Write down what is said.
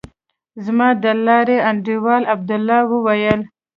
زما د لارې انډيوال عبدالله وويل.